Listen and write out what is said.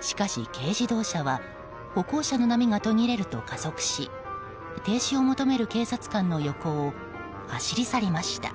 しかし、軽自動車は歩行者の波が途切れると加速し停止を求める警察官の横を走り去りました。